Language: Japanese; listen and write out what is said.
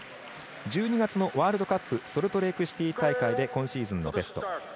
１２月のワールドカップソルトレークシティー大会で今シーズンのベスト。